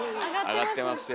上がってますよ。